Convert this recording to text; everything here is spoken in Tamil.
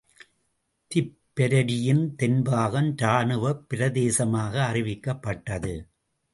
திப்பெரரியின் தென்பாகம் ராணுவப் பிரதேசமாக அறிவிக்கப்பட்டது.